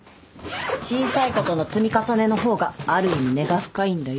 小さいことの積み重ねの方がある意味根が深いんだよ。